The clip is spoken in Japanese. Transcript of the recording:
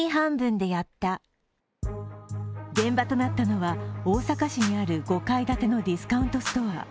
現場となったのは大阪市にある５階建てのディスカウントストア。